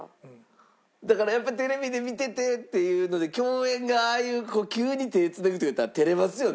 だからやっぱテレビで見ててっていうので共演がああいう急に手繋ぐとかやったら照れますよね。